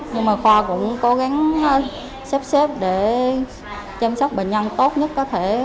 nhưng mà khoa cũng cố gắng sắp xếp để chăm sóc bệnh nhân tốt nhất có thể